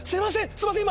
すいません！